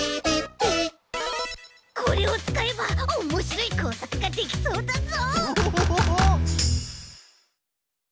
これをつかえばおもしろいこうさくができそうだぞ！